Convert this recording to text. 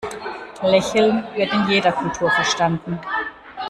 Lächeln wird in jeder Kultur verstanden.